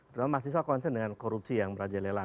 terutama mahasiswa konsen dengan korupsi yang berajal lelah